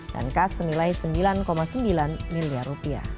dan kas senilai rp sembilan sembilan miliar